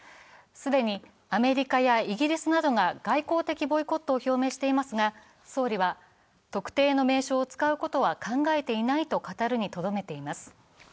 既にアメリカやイギリスなどが外交的ボイコットを表明していますが総理は特定の名称を使うことは考えていないということにしています。